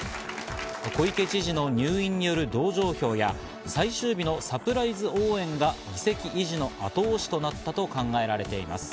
小池知事の入院による同情票や最終日のサプライズ応援が議席維持の後押しとなったと考えられています。